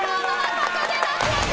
ここで脱落！